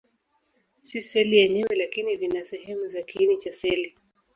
Si seli yenyewe, lakini vina sehemu za kiini cha seli.